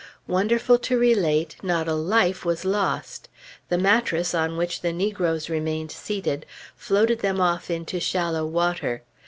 Wonderful to relate, not a life was lost! The mattress on which the negroes remained seated floated them off into shallow water.